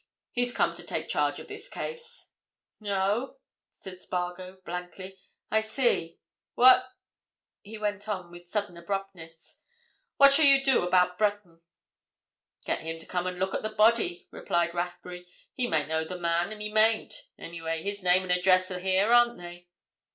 "He's come to take charge of this case." "Oh?" said Spargo blankly. "I see—what," he went on, with sudden abruptness, "what shall you do about Breton?" "Get him to come and look at the body," replied Rathbury. "He may know the man and he mayn't. Anyway, his name and address are here, aren't they?"